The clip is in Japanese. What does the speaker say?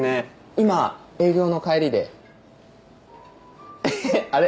今営業の帰りでへへへっあれ？